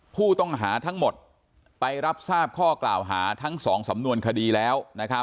ผู้ต้องหาทั้งหมดไปรับทราบข้อกล่าวหาทั้ง๒สำนวนคดีแล้ว